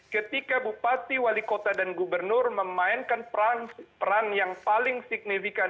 ketika bupati wali kota dan gubernur memainkan peran yang paling signifikan